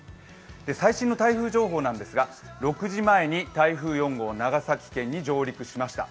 最新の台風情報なんですが６時前に台風４号長崎県に上陸しました。